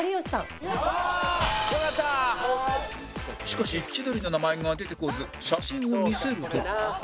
しかし千鳥の名前が出てこず写真を見せると